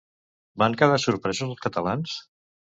Van quedar sorpresos els catalans?